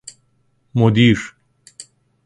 مدیر